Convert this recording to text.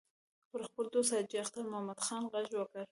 پر خپل دوست حاجي اختر محمد خان غږ وکړ.